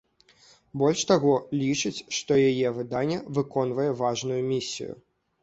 Больш таго, лічыць, што яе выданне выконвае важную місію.